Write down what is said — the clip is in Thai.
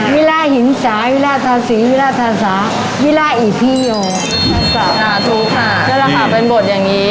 จริงค่ะแล้วเราขอเป็นบทอย่างนี้